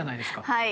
はい。